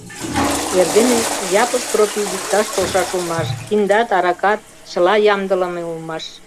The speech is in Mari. Эрдене Япык Тропий йӱкташ толшаш улмаш: киндат, аракат — чыла ямдылыме улмаш.